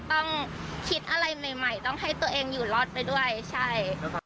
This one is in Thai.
ต้องคิดอะไรใหม่ใหม่ต้องให้ตัวเองอยู่รอดไปด้วยใช่